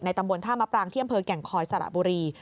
ตำบลท่ามะปรางที่อำเภอแก่งคอยสระบุรี